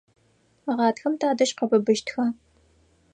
Гъатхэм тадэжь къэбыбыжьыщтха?